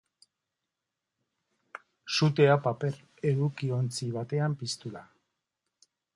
Sutea paper-edukiontzi batean piztu da.